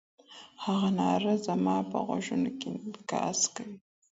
د هغه ناره زما په غوږونو کي انګازې کوي.